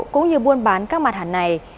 cũng như buôn bán các mặt hàng này